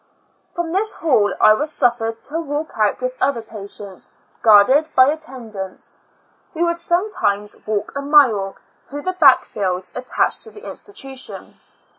From this hall I was suffered to walk out with other patients, guarded by attend ants. We would sometimes walk a mile through the back fields attached to the institution.